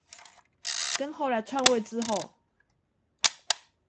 跟後來篡位之後